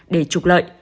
để trục lợi